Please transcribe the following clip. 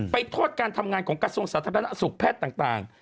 โทษการทำงานของกระทรวงสาธารณสุขแพทย์ต่าง